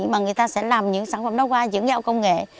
mà người ta sẽ làm những sản phẩm đó qua dưỡng giao công nghệ